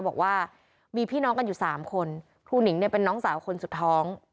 บอกว่ามีพี่น้องกันอยู่สามคนครูหนิงเนี่ยเป็นน้องสาวคนสุดท้อง